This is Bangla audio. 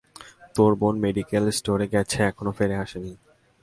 তোর বোন মেডিকেল স্টোরে গেছে এখনও ফিরে আসে নি।